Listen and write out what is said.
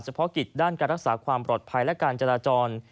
เพาะกิจด้านการรักษาความปลอดภัยและการจราจร